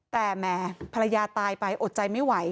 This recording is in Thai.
แต่แหมภรรยาตายไปอดใจไม่ไหว